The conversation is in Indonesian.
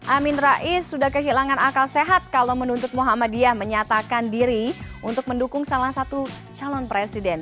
amin rais sudah kehilangan akal sehat kalau menuntut muhammadiyah menyatakan diri untuk mendukung salah satu calon presiden